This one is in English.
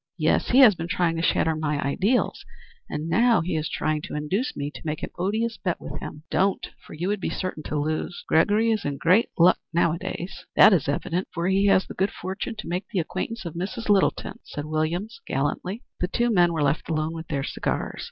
"Yes, he has been trying to shatter my ideals, and now he is trying to induce me to make an odious bet with him." "Don't, for you would be certain to lose. Gregory is in great luck nowadays." "That is evident, for he has had the good fortune to make the acquaintance of Mrs. Littleton," said Williams gallantly. The two men were left alone with their cigars.